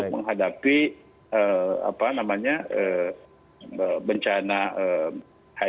ya tidak hanya mitigasi bencana dari bmkg ataupun bnpb taji